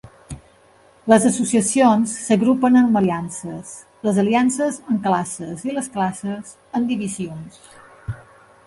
Les associacions s'agrupen en aliances, les aliances en classes i les classes en divisions.